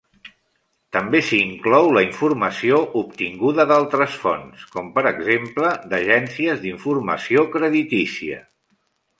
També s'inclou la informació obtinguda d'altres fonts, com per exemple d'agències d'informació creditícia.